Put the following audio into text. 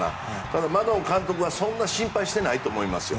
ただ、マドン監督はそんな心配をしてないと思います。